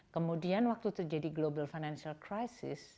kemudian waktu terjadi global financial crisis